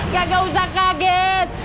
ya ga usah kaget